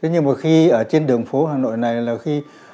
nhưng mà khi ở trên đường phố hà nội này là khi